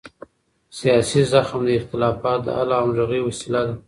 سیاسي زغم د اختلافاتو د حل او همغږۍ وسیله ده